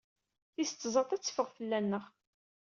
Tis tẓat ad teffeɣ fell-aneɣ.